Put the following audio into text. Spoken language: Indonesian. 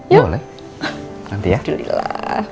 ya boleh nanti ya